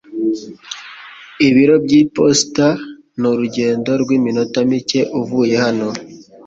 Ibiro by'iposita ni urugendo rw'iminota mike uvuye hano